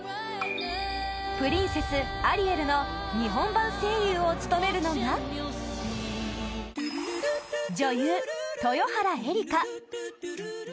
プリンセス、アリエルの日本版声優を務めるのが女優・豊原江理佳